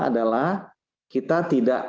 adalah kita tidak